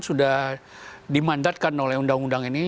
sudah dimandatkan oleh undang undang ini